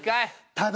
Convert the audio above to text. ただ。